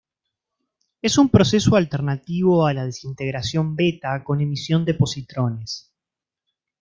Es un proceso alternativo a la desintegración beta con emisión de positrones.